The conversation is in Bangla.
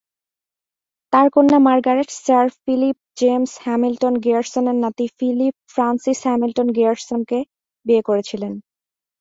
তার কন্যা মার্গারেট স্যার ফিলিপ জেমস হ্যামিল্টন-গিয়ারসনের নাতি ফিলিপ ফ্রান্সিস হ্যামিল্টন-গ্রিয়ারসনকে বিয়ে করেছিলেন।